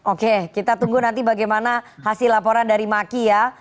oke kita tunggu nanti bagaimana hasil laporan dari maki ya